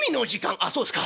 「ああそうっすか。